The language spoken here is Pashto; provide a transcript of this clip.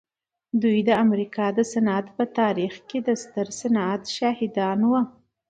دوی د امریکا د صنعت په تاریخ کې د ستر صنعت شاهدان وو